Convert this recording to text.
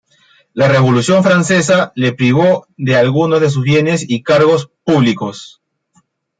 La Revolución francesa le privó de algunos de sus bienes y cargos públicos.